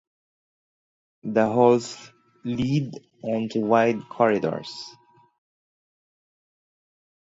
The halls lead onto wide corridors.